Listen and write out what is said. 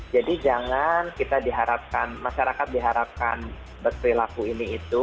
jadi jangan kita diharapkan masyarakat diharapkan berperilaku ini itu